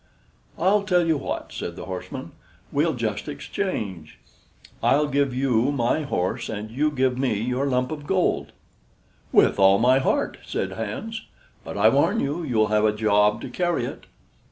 "I'll tell you what," said the horseman: "we'll just exchange. I'll give you my horse and you give me your lump of gold." "With all my heart!" said Hans. "But I warn you, you'll have a job to carry it."